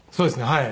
はい。